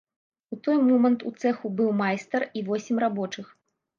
У той момант у цэху быў майстар і восем рабочых.